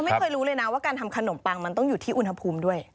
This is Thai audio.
ไม่เคยรู้เลยนะว่าการทำขนมปังมันต้องอยู่ที่อุณหภูมิด้วย